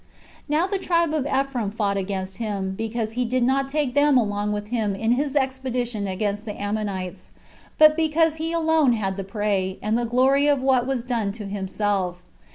11. Now the tribe of Ephraim fought against him, because he did not take them along with him in his expedition against the Ammonites, but because he alone had the prey, and the glory of what was done to himself.